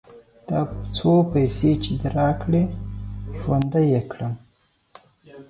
دا څو پيسې چې دې راکړې؛ ژوندی يې کړم.